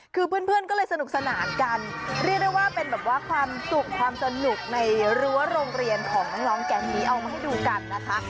คือเพื่อนก็เลยสนุกสนานกันเรียกได้ว่าเป็นแบบว่าความสุขความสนุกในรั้วโรงเรียนของน้องแก๊งนี้เอามาให้ดูกันนะคะ